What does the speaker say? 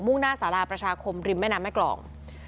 ่งหน้าสาราประชาคมริมแม่น้ำแม่กรอง